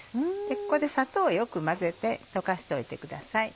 ここで砂糖をよく混ぜて溶かしておいてください。